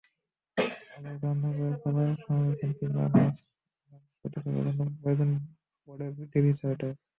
আবার রান্না করা খাবার সংরক্ষণ কিংবা মাছ-মাংস সতেজ রাখতে প্রয়োজন পড়ে রেফ্রিজারেটর।